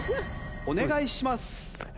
お願いします。